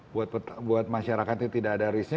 buat masyarakat yang tidak ada risknya